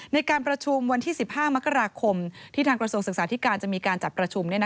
ในการประชุมวันที่๑๕มกราคมที่ทางกระทรวงศึกษาธิการจะมีการจัดประชุม